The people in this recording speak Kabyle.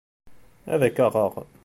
Ad k-aɣeɣ.